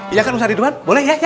iya kan ustazah ridwan boleh ya